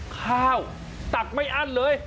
ข้าวตักไม่อั้นเลย